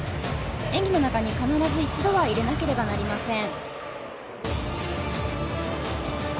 演技の中に必ず一度は入れなければなりません。